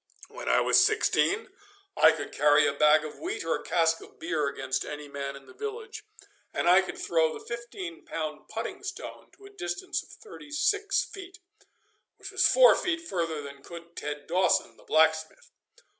When I was sixteen I could carry a bag of wheat or a cask of beer against any man in the village, and I could throw the fifteen pound putting stone to a distance of thirty six feet, which was four feet further than could Ted Dawson, the blacksmith.